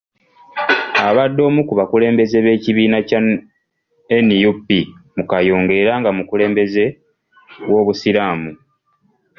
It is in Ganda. Abadde omu ku bakulembeze b’ekibiina kya NUP mu Kayunga era omukulembeze w’obusiraamu.